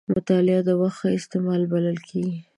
مطالعه د وخت ښه استعمال بلل کېږي.